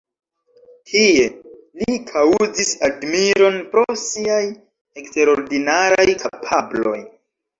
Tie, ili kaŭzis admiron pro siaj eksterordinaraj kapabloj.